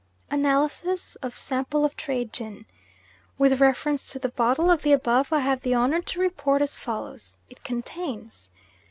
"ANALYSIS OF SAMPLE OF TRADE GIN. "With reference to the bottle of the above I have the honour to report as follows: It contains Per cent.